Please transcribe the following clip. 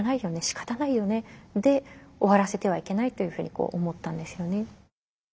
しかたないよね」で終わらせてはいけないというふうに思ったんですよね。